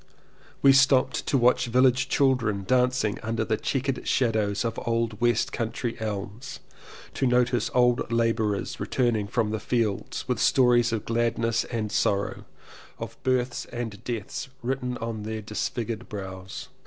We stopped to watch village children dancing under the chequered shadows of old west country elms — to notice old labourers returning from the fields with stories of gladness and sorrow, of births and deaths written on their disfigured brows.